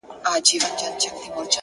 • کاينات راڅه هېريږي ورځ تېرېږي،